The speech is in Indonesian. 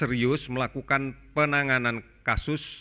serius melakukan penanganan kasus